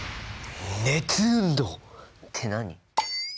「熱運動」って何！？